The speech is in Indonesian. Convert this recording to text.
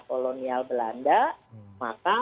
kolonial belanda maka